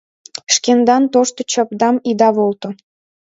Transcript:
Шкендан тошто чапдам ида волто.